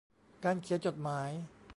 การเขียนจดหมาย